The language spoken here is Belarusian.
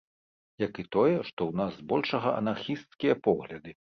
Як і тое, што ў нас збольшага анархісцкія погляды.